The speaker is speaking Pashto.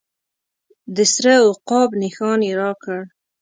د سره عقاب نښان یې راکړ.